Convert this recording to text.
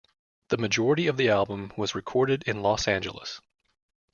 The majority of the album was recorded in Los Angeles.